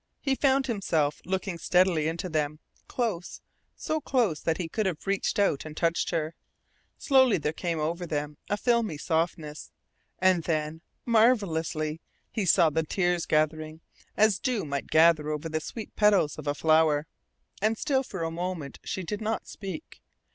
He found himself looking steadily into them close, so close that he could have reached out and touched her. Slowly there came over them a filmy softness. And then, marvellously, he saw the tears gathering, as dew might gather over the sweet petals of a flower. And still for a moment she did not speak.